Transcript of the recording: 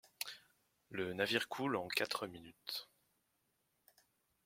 Le navire coule en quatre minutes.